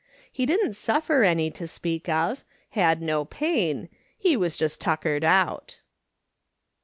He didn't suffer any to speak of, had no pain; he was just tuckered out.